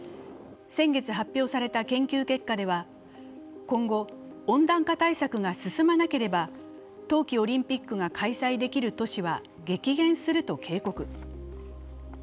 先月発表された研究結果では今後、温暖化対策が進まなければ冬季オリンピックが開催できる都市は激減すると警告。